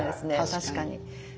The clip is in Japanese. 確かに。